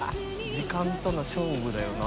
時間との勝負だよな。